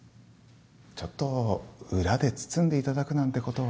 ちょっと裏で包んでいただくなんてことは？